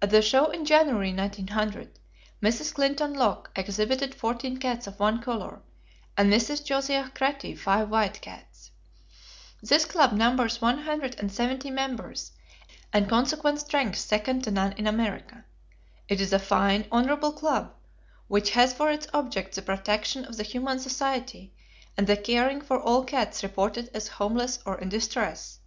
At the show in January, 1900, Mrs. Clinton Locke exhibited fourteen cats of one color, and Mrs. Josiah Cratty five white cats. This club numbers one hundred and seventy members and has a social position and consequent strength second to none in America. It is a fine, honorable club, which has for its objects the protection of the Humane Society and the caring for all cats reported as homeless or in distress.